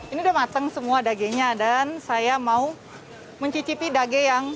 ini udah matang semua dagenya dan saya mau mencicipi dage yang